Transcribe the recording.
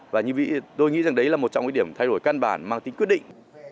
và như tôi nghĩ rằng đấy là một trong điểm thay đổi căn bản mang tính quyết định